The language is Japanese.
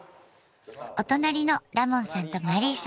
お隣のラモンさんとマリーさん。